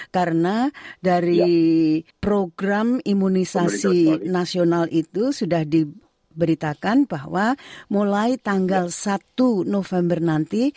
karena dari program imunisasi nasional itu sudah diberitakan bahwa mulai tanggal satu november nanti